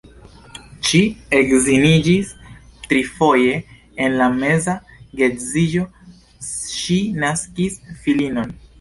Ŝi edziniĝis trifoje, en la meza geedziĝo ŝi naskis filinon.